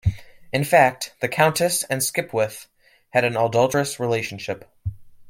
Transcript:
In fact, the countess and Skipwith had an adulterous relationship.